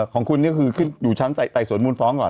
ของคุณนี่คือขึ้นอยู่ชั้นไต่สวนมูลฟ้องก่อน